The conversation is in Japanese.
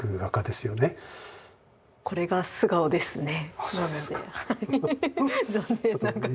これが素顔ですね。